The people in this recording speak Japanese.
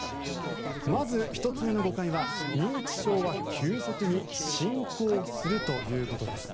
まず１つ目の誤解は、認知症は急速に進行するということです。